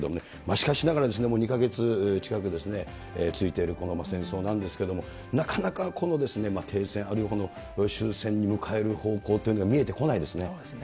しかしながら、もう２か月近く続いているこの戦争なんですけれども、なかなかこの停戦、あるいは終戦に迎える方向というのは見えてこないですね。